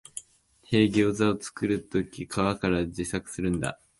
へえ、ギョウザ作るとき皮から自作するんだ